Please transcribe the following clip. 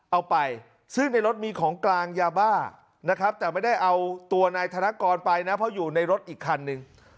เอาไปซึ่งในรถมีของกลางยาบ้านะครับแต่ไม่ได้เอาตัวนายธนกรไปนะเพราะอยู่ในรถอีกคันหนึ่ง